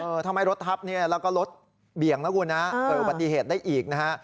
เออทำไมรถทับนี่แล้วก็รถเบี่ยงนะคุณเปิดปฏิเหตุได้อีกนะฮะ